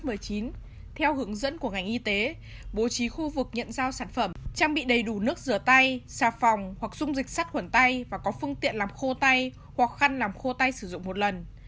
tiêu chí bốn theo hướng dẫn của ngành y tế bố trí khu vực nhận giao sản phẩm trang bị đầy đủ nước rửa tay xà phòng hoặc dung dịch sắt quẩn tay và có phương tiện làm khô tay hoặc khăn làm khô tay sử dụng một lần